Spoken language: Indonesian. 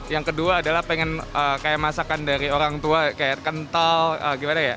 yang kedua adalah pengen kayak masakan dari orang tua kayak kental gimana ya